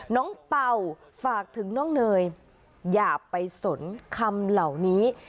เป่าฝากถึงน้องเนยอย่าไปสนคำเหล่านี้